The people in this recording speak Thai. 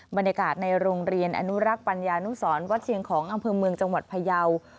บรรยากาศในโรงเรียนอนุรักษ์ปัญญานุสรวัดเชียงของอำเภอเมืองจังหวัดพยาว